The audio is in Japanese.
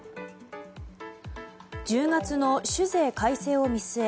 １０月の酒税改正を見据え